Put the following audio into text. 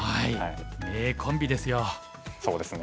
名コンビですよ。